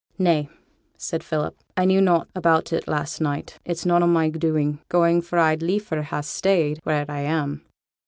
'Nay,' said Philip, 'I knew nought about it last night; it's none o' my doing, going, for I'd liefer ha' stayed where I am.'